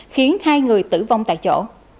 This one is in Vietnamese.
khiến hai người tử vong tại chỗ